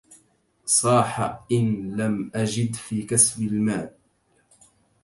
صاح إن لم أجد في كسب مال